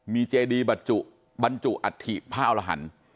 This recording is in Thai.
มีเจดีบัญจุอัตถิภาวรหันธ์